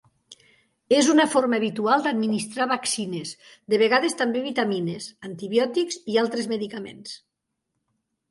És una forma habitual administrar vaccines, de vegades també vitamines, antibiòtics i altres medicaments.